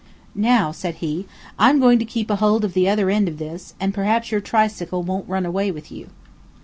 "Now," said he, "I'm going to keep hold of the other end of this, and perhaps your tricycle won't run away with you."